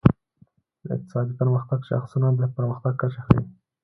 د اقتصادي پرمختګ شاخصونه د پرمختګ کچه ښيي.